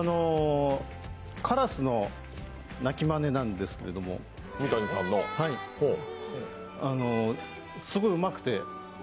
カラスの鳴きまねなんですけれども、すごいうまくて。